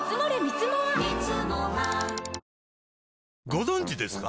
ご存知ですか？